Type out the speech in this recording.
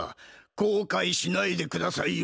こうかいしないでくださいよ。